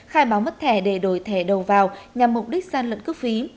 khai báo mất thẻ để đổi thẻ đầu vào nhằm mục đích gian lận cước phí